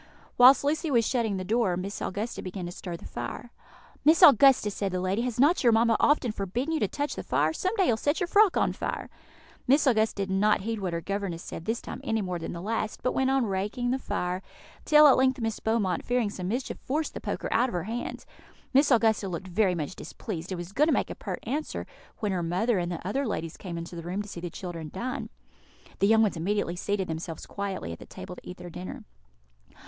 Whilst Lucy was shutting the door, Miss Augusta began to stir the fire. "Miss Augusta," said the lady, "has not your mamma often forbidden you to touch the fire? Some day you will set your frock on fire." Miss Augusta did not heed what her governess said this time any more than the last, but went on raking the fire; till at length Miss Beaumont, fearing some mischief, forced the poker out of her hand. Miss Augusta looked very much displeased, and was going to make a pert answer, when her mother and the other ladies came into the room to see the children dine. The young ones immediately seated themselves quietly at the table to eat their dinner.